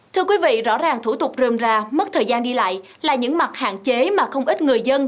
thưa quý vị rõ ràng thủ tục rươm rà mất thời gian đi lại là những mặt hạn chế mà không ít người dân